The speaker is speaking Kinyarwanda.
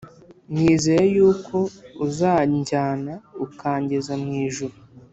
Nizeye yuko uzanjyana ukangeza mu ijuru